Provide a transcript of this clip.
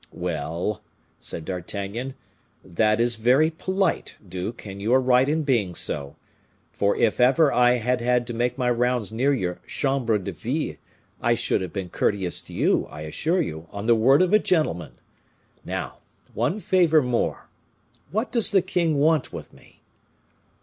"Well," said D'Artagnan, "that is very polite, duke, and you are right in being so; for if ever I had had to make my rounds near your chambre de ville, I should have been courteous to you, I assure you, on the word of a gentleman! Now, one favor more; what does the king want with me?"